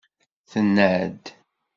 Tenna-d.